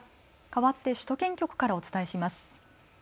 かわって首都圏局からお伝えします。